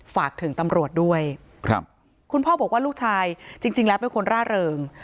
ฝากถึงตำรวจด้วยครับคุณพ่อบอกว่าลูกชายจริงแล้วเป็นคนร่าเริง